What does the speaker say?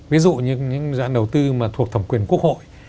ví dụ như những dự án đầu tư mà thuộc thẩm quyền quốc hội